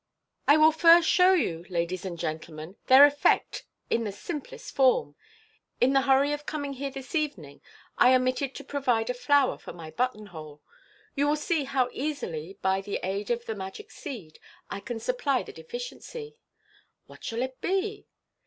" I will first show you, la dies and gentlemen, tbeir effvct in the simplest form. In the hurry of coming here this evening, I omitted to pro vide a flower for my button hole. You will see how easily, by the aid of the magic seed, I can supply the deficiency. What shall it be?